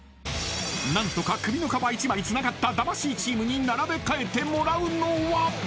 ［何とか首の皮一枚つながった魂チームに並べ替えてもらうのは？］